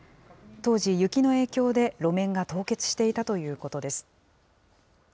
当時、雪の影響で路面が凍結していたということです。